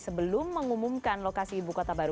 sebelum mengumumkan lokasi ibu kota baru